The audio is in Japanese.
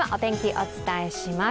お伝えします。